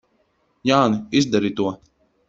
Jāni, izdari to!